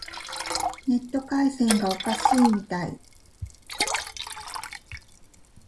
ネット回線がおかしいみたい。